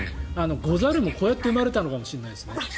「ござる」もこうやって生まれたのかもしれないですね。